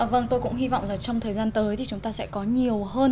vâng tôi cũng hy vọng là trong thời gian tới thì chúng ta sẽ có nhiều hơn